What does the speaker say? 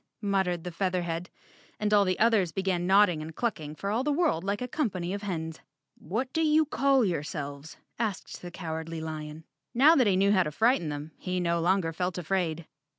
muttered the Feather head, and all the others began nodding and clucking 134 Chapter Ten for all the world like a company of hens. "What do you call yourselves?" asked the Cowardly Lion. Now that he knew how to frighten them, he no longer felt afraid.